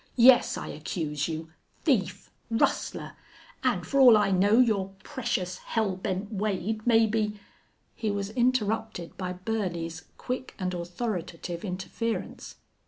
"Yes, I accuse you. Thief, rustler!... And for all I know your precious Hell Bent Wade may be " He was interrupted by Burley's quick and authoritative interference.